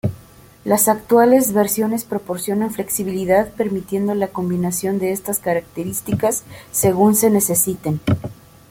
Las actuales versiones proporcionan flexibilidad permitiendo la combinación de estas características según se necesiten.